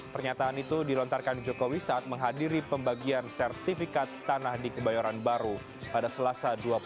pernyataan itu dilontarkan jokowi saat menghadiri pembagian sertifikat tanah di kebayoran baru pada selasa dua puluh tiga